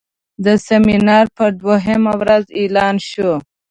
د سیمینار په دوهمه ورځ اعلان شو.